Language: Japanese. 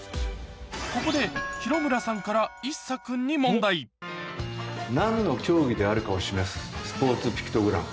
ここで廣村さんからＩＳＳＡ君に何の競技であるかを示すスポーツピクトグラム。